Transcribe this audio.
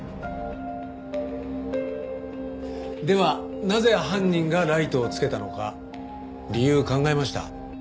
ではなぜ犯人がライトをつけたのか理由を考えました。